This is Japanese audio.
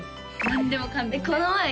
何でもかんでもね